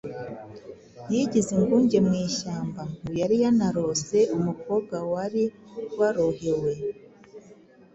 yigize ingunge mu ishyamba. Ngo yari yanarose umukobwa wari warohewe